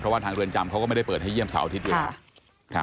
เพราะว่าทางเรือนจำเขาก็ไม่ได้เปิดให้เยี่เสาร์อาทิตย์อยู่แล้ว